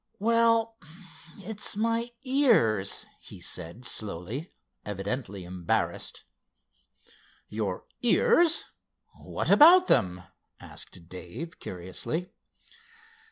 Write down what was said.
"Well, it's my ears," he said, slowly, evidently embarrassed. "Your ears; what about them?" asked Dave, curiously.